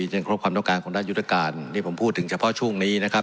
ยังครบความต้องการของด้านยุทธการที่ผมพูดถึงเฉพาะช่วงนี้นะครับ